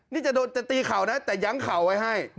นี่จะโดนจะตีเข่านะแต่ยั้งเข่าไว้ให้